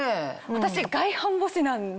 私外反母趾なんで。